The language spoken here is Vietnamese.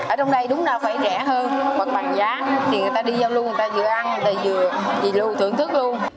ở trong đây đúng là phải rẻ hơn hoặc bằng giá thì người ta đi giao lưu người ta vừa ăn người ta vừa đi lưu thưởng thức luôn